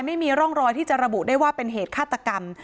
ไม่มีร่องรอยที่จะระบุได้ว่าเป็นเหตุฆาตกรรม